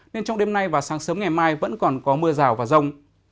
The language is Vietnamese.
nên trong đêm nay và sáng sớm ngày mai vẫn còn có mưa rào và rông